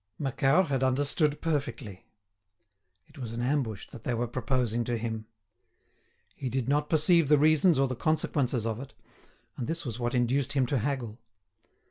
Macquart had understood perfectly. It was an ambush that they were proposing to him. He did not perceive the reasons or the consequences of it, and this was what induced him to haggle.